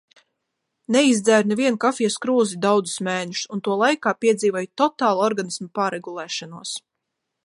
Neizdzēru nevienu kafijas krūzi daudzus mēnešus, un to laikā piedzīvoju totālu organisma pārregulēšanos.